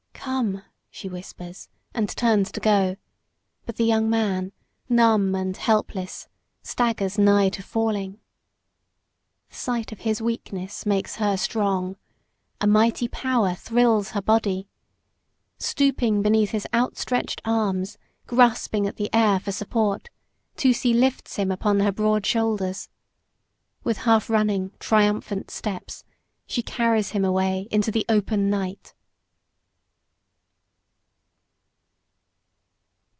"Come!" she whispers, and turns to go; but the young man, numb and helpless, staggers nigh to falling. The sight of his weakness makes her strong. A mighty power thrills her body. Stooping beneath his outstretched arms grasping at the air for support, Tusee lifts him upon her broad shoulders. With half running, triumphant steps she carries him away into the open night.